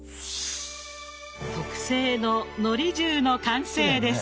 特製ののり重の完成です。